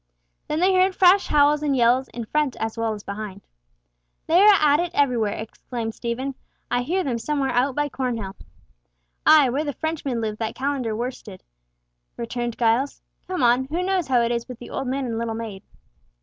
Then they heard fresh howls and yells in front as well as behind. "They are at it everywhere," exclaimed Stephen. "I hear them somewhere out by Cornhill." "Ay, where the Frenchmen live that calender worsted," returned Giles. "Come on; who knows how it is with the old man and little maid?"